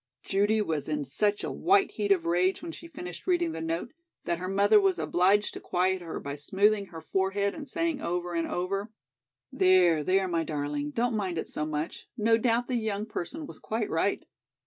'" Judy was in such a white heat of rage when she finished reading the note, that her mother was obliged to quiet her by smoothing her forehead and saying over and over: "There, there, my darling, don't mind it so much. No doubt the young person was quite right."